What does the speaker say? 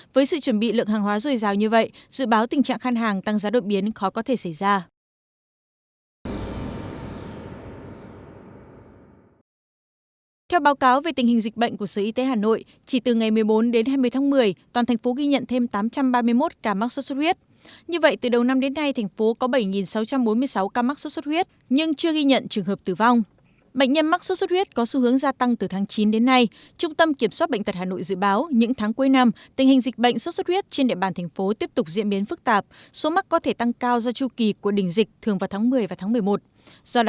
với sự chuẩn bị lượng hàng hóa dồi dào như vậy dự báo tình trạng khan hàng tăng giá đột biến khó có thể xảy ra